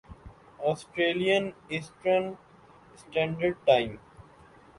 Australian eastern standard time